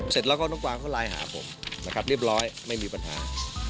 เสร็จแล้วก็น้องกวางเขาไลน์หาผมนะครับเรียบร้อยไม่มีปัญหา